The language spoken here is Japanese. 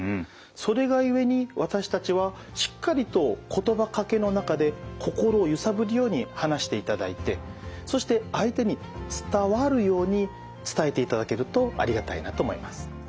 それが故に私たちはしっかりと言葉かけの中で心をゆさぶるように話していただいてそして相手に伝わるように伝えていただけるとありがたいなと思います。